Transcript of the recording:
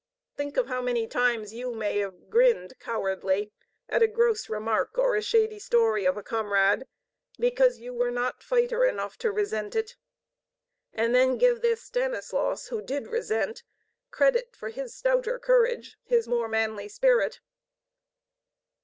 Think of how many times you may have grinned, cowardly, at a gross remark or shady story of a comrade because you were not fighter enough to resent it! And then give this Stanislaus, who did resent, credit for his stouter courage, his more manly spirit.